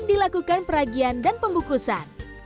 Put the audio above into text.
dilakukan peragian dan pembukusan